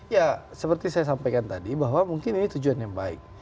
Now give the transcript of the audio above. ya seperti saya sampaikan tadi bahwa mungkin ini tujuan yang baik